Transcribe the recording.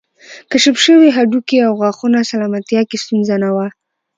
کشف شوي هډوکي او غاښونه سلامتیا کې ستونزه نه وه